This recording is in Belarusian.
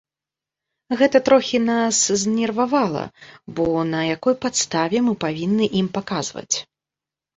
Гэта трохі нас знервавала, бо на якой падставе мы павінны ім паказваць.